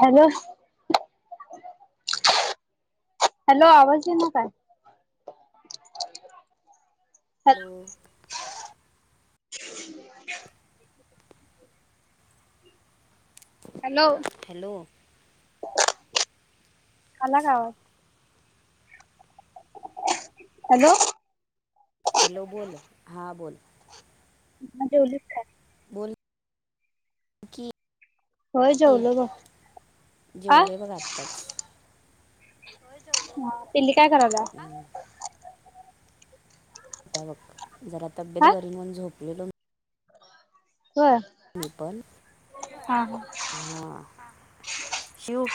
Hello. Hello आवाज येईना काय? Hello hello. हॅलो. हॅलो. आला का आवाज. हॅलो. हॅलो बोल हां बोल. मग जेवलीस काय? बोल. [unintelligible] की होय जेवलो बघ आ जेवले बघा आत्ताच. होय जेवलो. पिल्ली काय कराल्या. आ. आता बघ जरा हा तब्येत बरी नाही म्हणून झोपलेलो. होय. मी पण हा हा हा शिव.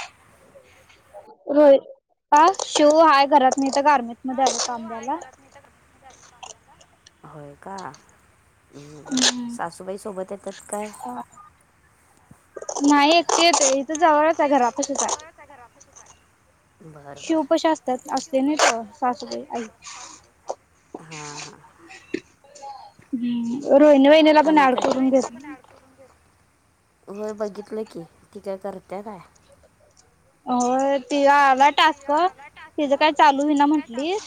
रोय आ शिव हाय घरात मी इथं गार्मेंटमध्ये आले काम द्यायला. [unintelligible] होय का हम्म सासूबाई सोबत ये कसं काय. नाही एकटे येतोय. नाही एकटी येतोय इथं जवळचं आहे घरापाशीच आहे. शिवपशी असत्यात ना असतोय ना तो सासुबाई आई. हा हा. हम्म. रोहिणी वय आणि काय. होय बघितलं की, ती काय करत्या काय? होय तिला आला टास्क तिच काय चालू होईना म्हंटली.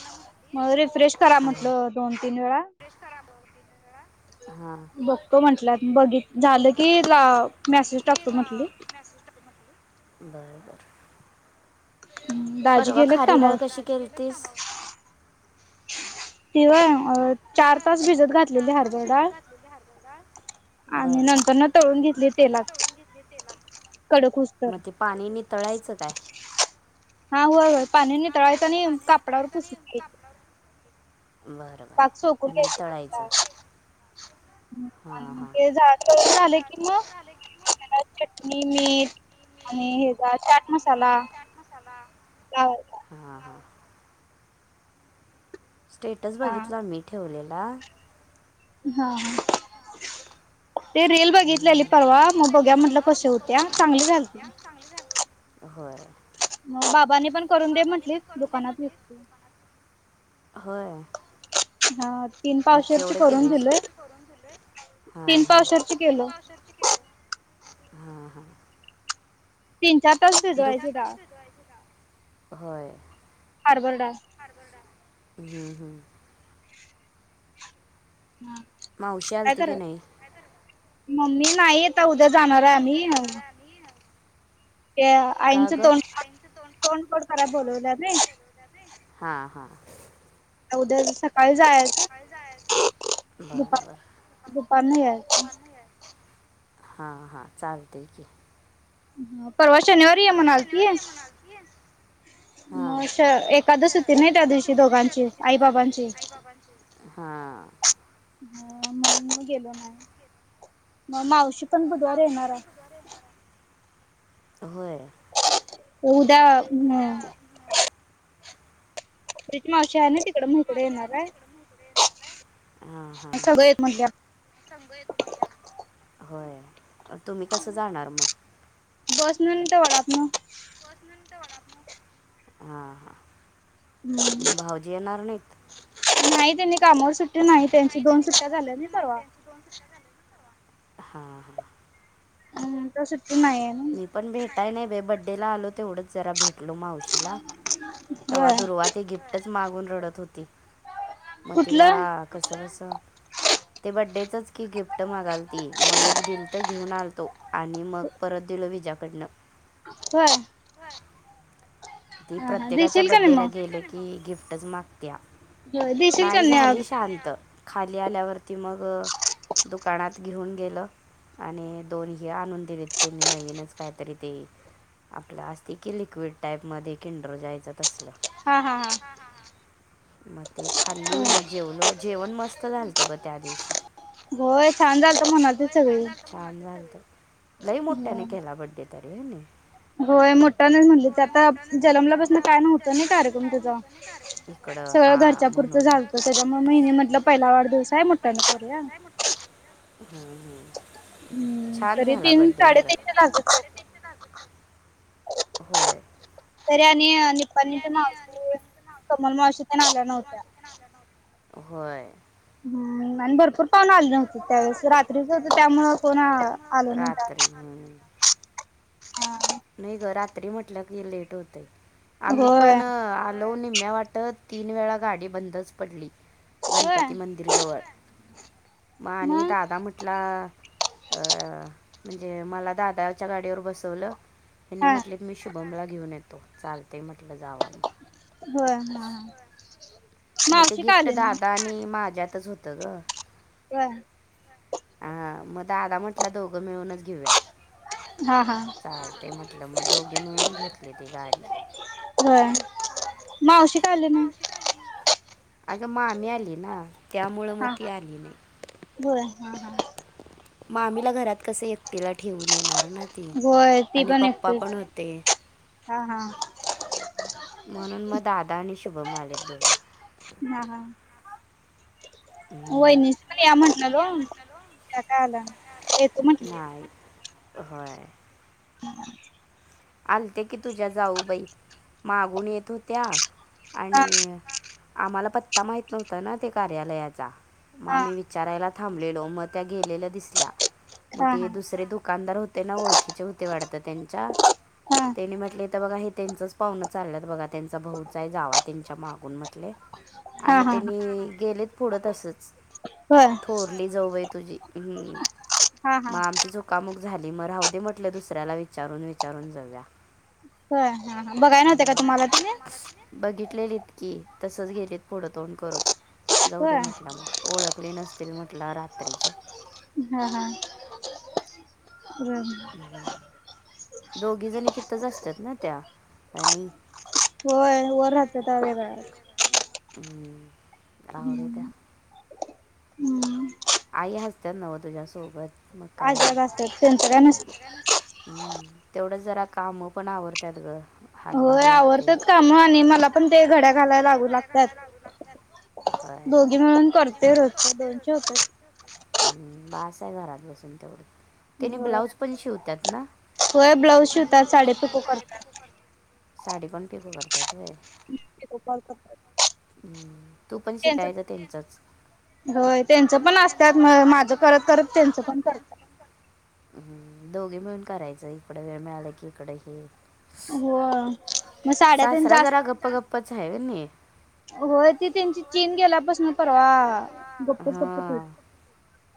मग रिफ्रेश करा म्हटलं दोन तीन वेळा. रिफ्रेश करा दोन तीन वेळा. हा. बघतो म्हटल्यात बघीत बघतो म्हटल्यात बघित झालं की म्हटली मेसेज टाकतो‌ म्हंटलीत. बर बर. दाजी परवा गेलेत खारी डाळ कामावर कशी केलतीस? ती होय चार तास भिजत घातलेले हरभरा डाळ. आणि बरं नंतर न तळून घेतली तेलात कडक होवूस तर. मग ते पाणी नीतळायचं काय? हा होय होय पाणी नितळायचं आणि कापडावर पुसून घ्यायचं. बाय. पाक सोकून घ्यायचे. हां आणि हां ते झा तळून झालं की मग, त्याला चटणी मीठ आणि हेच चाट मसाला. हा हा. स्टेटस बघितला मी ठेवलेला. हा हा. ते रील बघितलेली परवा, मग बघुया म्हटलं कशी होत्या, चांगली झालती. चांगली झाली होय. मग बाबांनी पण करून दे म्हटलीत दुकानात विकतो. होय. हा तीन मग पाचशेरची केवढं पाच करून केलीस वेळा दिलोय हां तीन हां पावशेरची केलो. हा हा. तीन चार तास दुख भिजवायची डाळ होय. हार्बर डाळ हम्म हम्म. ना मावशी काय आलती की करं नाही मम्मी नाही आता उद्या जाणार आहे आम्ही [unintelligible] ते का आईंचं तोंड गं [inaudible] तोंडफोड कराय बोलवलं नाही. हा हा. उद्याच सक बरं दुपार बरं. दुपारनं यायचं. हा हा चालतेय की. हा परवा शनिवार परवा शनिवारी ये मनालतीय. म श एकादश होती नाही त्या दिवशी दोघांची आई बाबांची. पाबांची हा. हा म्हणून मग गेलो नाही, मग मावशी पण बुधवार येणार आहे होय. उद्या हम्म रुची मावशी आहे ना तिकडं मी इकडे येणार आहे. हा हा. सगळं येत म्हटल्या होय तुम्ही कसं जाणार मग? बसणून तेवढ्यात म. हा हा भाऊ येणार नाहीत. नाही त्यांनी कामावर सुट्टी नाही त्यांची दोन सुट्टया झाल्या नाही परवा. हा हा. मम तर सुट्टी नाही आहे ना. मी पण भेटाय नाही बे बड्डेला आलो तेवढंच. जरा भेटलो मावशीला. तेव्हा होय दुरवात ती गिफ्टच मागून रडत होती, मग तिला कुठलं कसं बसं ते बड्डेचच की गिफ्ट मागाल ती म एक दिलतं घेऊन आलतो आणि मग परत दिलं विज्याकडनं. होय. ती हा हा प्रत्येकाच्या देशील का नाही बड्डेला मग गेलं की गिफ्टच मागत्या. होय देशील का नाही अग झाली शांत. खाली आल्यावरती मग दुकानात घेऊन गेलो. आणि दोन हे आणून दिलेत त्यांनी नवीनच काहीतरी ते आपलं असते की लिक्विड टाईप मध्ये किंडर जायचं तसलं. हा हा हा. हा हा हां. ते खाल्ली मग जेवलो जेवण मस्त झालतं ग त्या दिवशी. होय छान झालत म्हणालतीत सगळी. छान झालतं लई मोठ्याने केला बड्डे तरी त्यांनी. होय मोठ्यान म्हलणीत मोठ आ जन्मल्यापासुन कार्यक्रम काय तुझा. नव्हतं कार इकड सगळं हा घरच्या पुुरचं म्हणून [unintelligible] झालतं घरच्या त्याच्यामुळे पुुरतं महिने म्हटलं झालत ते पहिला मग [unintelligible] मी वाढदिवस आहे म्हटलं मोठ्यानं पहिला करूया. वाढदिवस हाय मोठ्यान करायच. हम्म छान तरी झाला तीन बडे खर. साडेतीनशे झालतं होय. तरी आणि निप्पाणीच्या मावशी [unintelligible] कबनूल मावशी तेन आल्या नव्हत्या. होय. हम्म आणी भरपूर कोण आल नव्हतं त्यावेळेस रात्रीच होत त्यामुळ कोण आल नव्हता. रात्री हम्म. हा [unintelligible] नाही ग रात्री म्हटलं की लेट होतय आम्ही होय पण आलो निम्म्या वाटत तीन वेळा गाडी बंदच पडली होय गणपती मंदिर जवळ. मा आणि मग दादा म्हट हा अ म्हणजे मला दादाच्या गाडीवर बसवलं त्याने हा म्हटले की मी शुभमला घेऊन येतो चालते म्हटलं जावा मग. होय हा हा. म ते मावशी का गिफ्ट आले नाही? दादा आणि माझ्यातच होतं गं. वय [unintelligible] हा मग दादा म्हटलं दोघं मिळूनच देऊया हा हा चालते म्हटलं मग दोघे मिळून घेतले ते गाडी. होय मावशी का आले नाही? अगं मग मामी आली ना त्यामुळं मग हा ती आली नाही. होय हा हा मामीला घरात कस एकटीला ठेवून येणार ना. ती होय आणि पप्पा पण होते. हां हां. म्हणून मग दादा आणि शुभम आलेत दोघ. हा हा. हम्म, वहिनीच पण या म्हटलं गं. का आला येतुम्हटलं नाही [unintelligible] होय. [unintelligible] आलते की तुझ्या जाऊ बाई मागून येत होत्या. हा आणि आम्हाला पत्ता माहित नव्हता ना ते कार्यालयाचा मग हा आम्ही वि चारायला थांबलेलो म त्या गेलेल्या दिसल्या म हा ते हा दुसरे दुकानदार हो त्यांना ओळखीच्या होते वाटत त्यांच्या. हा त्यानी म्हटले तर बघा हे त्यांचच पाहूणं चाललयत बघा त्यांचा भाऊच आहे जावा त्यांच्या मागून म्हटले अच्छा आणि त्यांनी गेलेत पुढं तसच होय थोरली जाऊ बाई तुझी हम हा हा मग आमची जाऊ कामुक झाली मग जाऊदे म्हटल दुसऱ्याला विचारून विचारून जाव्या होय हा हा बघाय नव्हते का तुम्हाला तेनी? बघितलेलीत की तसंच गेलेत. पुढं तोंड करून जाऊ दे होय म्हटलं मग ओळखले नसतील म्हटलं रात्रीचं. हा हा, बर बर. दोघी जणी तिथंच असत्यात ना त्या, का नाही? होय वर राहत्यात [unintelligible] हम्म, ‌राहू दे त्या हम्म. आई असत्यात न्हवं तुझ्यासोबत? मग काय नाही आजारी असत्यात त्यांचं काय नसतं. हम्म, तेवढंच जरा काम पण आवरत्यात गं. होय आवरतच काम आणि मला पण ते घड्या घालाय लागू लागत्यात. होय दोघी मिळून करतोय रोजचे दोनशे होत्यात. हम्म बास आहे घरात बसून तेवढं. तेनी होय ब्लाऊज पण शिवत्यात ना? ब्लाऊज होय शिवतात ब्लाऊज साडे शिवतात, साडी करतात. पिको करत्यात. साडी पण तेच करत्यात होय? [unintelligible] तु कॉल कर. हम्म तू पण शिकायचं त्यांचंच. होय त्यांचं पण असत्यात, मग माझं करत करत त्यांचं पण करतात. हम्म दोघी मिळून करायचं, इकडे वेळ मिळालं की इकडे हे. होय मग साड्या तेन जास्त पच हाय होय नाही? होय ती त्यांची होय चीन ते तीन गेल्यापासून परवा गेल्यापसून परवा गप्पच हा. गप्पच होती.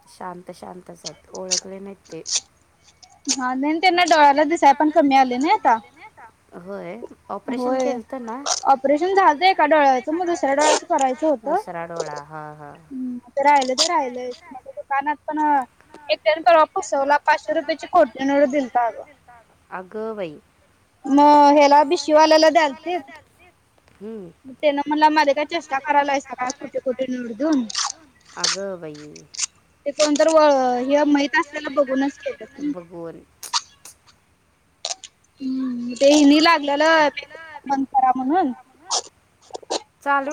शांत शांतच आहेत ओळखले नाही ते. हा नाही त्यांना डोळ्याला दिसाय पण कमी आलंय नाही आता. होय, ऑपरेशन होय. केलंत ना? ऑपरेशन झालतं एका डोळ्याचं मग दुसऱ्या डोळ्याचं करायचं होतं. दुसरा डोळा हा हा. हम्म राहिलं ते राहिले राहिलंय ते मग राहिलंय. दुकानात पण एकट्याने परवा फसवला, पाचशे रुपयाची खोटी नोट दिलता अगं. अग बाई. मग हेला भिश ह्याला भिशीवाल्याला द्यालतीत. मग तेनं म्हंटला माझी काय चेष्टा करायलायसा काय खोटी खोटी नोट देऊन. अग बाई. ते कोणतर कोणतर माहित हे असलेलं माहीत बघूनच असलेल केलं बघून, बघून हम्म. ते हेनी लागलेलं बंद करा म्हणून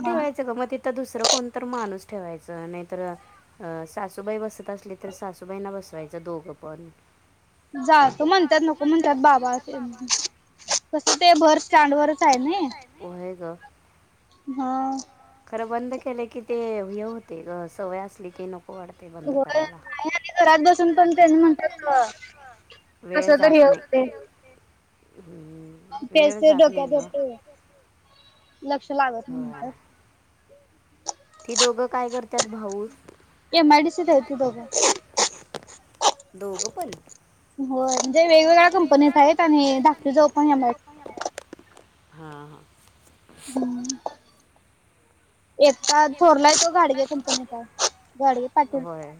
मग ते मग तिथं दुसरं कोणतं माणूस ठेवायचं. नाहीतर अ सासूबाई बसत असली, तर सासूबाईंना बसवायच दोघं पण. जातो म्हणत्यात नको म्हणत्यात बाबा तेन. कसं ते भर स्टॅन्डवरच हाय नाही. होय ग. हा. खरं बंद केलं की ते हे होतंय गं सवय असली की नको वाटतंय बंद होय करायला. ते नाही आणि घरात पण त्यांनी बसून पण तेनी म्हणतात म्हणतात कसं तरी [unintelligible] कस वेळ जात हे नाही. होते हम्म, तेच वेळ ते जात नाही डोक्यात ग. येते लक्ष लागत होय. नाहीतर. ती दोघं काय करत्यात भाऊ? एमआयडीसीत आहेत ती दोघं दोघ पण? होय म्हणजे वेगवेगळ्या कंपनीत आहेत आणि धाकटी जाऊ पण हेला हाय हा हा. हम्म. एकटा थोरला हाय तो घाडगे कंपनीत आहे, घाडगे हां पाटील. होय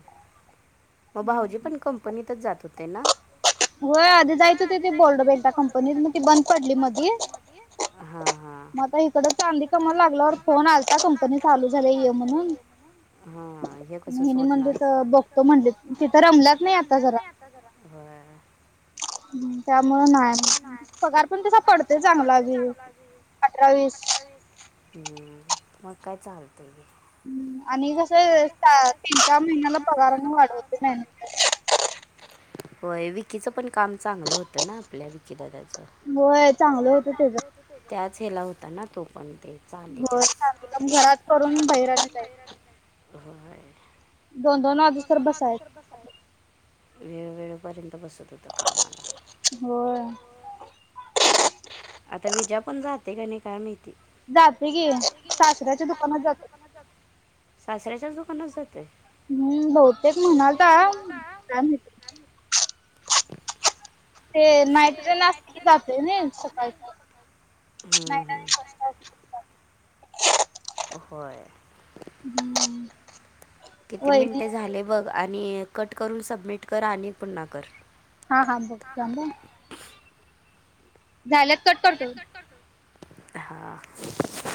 मग भाऊजी पण कंपनीतच जात होते ना? होय आधी जायत होती ते बोर्ड बँक कंपनीत मग ती बंद पडली मग ती. हां हां मग आता इकडं चांगली काम लागल्यावर फोन आलता कंपनी चालू झाली आहे ये म्हणून. हा हे कसं हिनी सोडणार म्हणलीत बघतो म्हणलीत तिथं रमल्यात नाय आता जरा. [unintelligible] होय हुम [unintelligible] त्यामुळे नाय पगार पण पडतोय तुला चांगला पडतोय चांगला अजून अठरा वीस पंधरा-वीस हम्म मग काय चालतं की. आणि कसं त्या तीन चार महिन्याला पगार म वाढवतो नाय ना. [unintelligible] होय विकीचं पण काम चांगलं होतं ना आपल्या विकी दादाचं होय चांगलं होतं त्याजा. त्याचे हे लावताना तो पण तेल. होय सासू पण घरात पडुन बहिरडच आहे. ह. ह. हाय दोन दोन वाजुस तर बसाय बसाय हे वेळे वेेळपर्यंत बसत होत कामाला होय. आता विजा पण जाते का नाही काय माहिती? जातोय की सासऱ्याच्या दुकानात जातोय. सासऱ्याच्याच दुकानात जातोय. हम्म बहुतेक म्हणालता काय माहिती. ते नाईटरेन असलं की जातंय नाय सकाळचं. हुम. नाईट हुम. आणि फर्स्ट [unintelligible] होय हम्म किती वहिनी मिनिटं झाले बघ? आणि कट करून सबमिट कर आणि पुन्हा कर. हा हा बघतो थांब ह झाल्यात कट करतो. झालेत कट करतो.